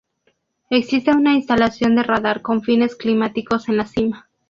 Existe una instalación de radar con fines climáticos en la cima.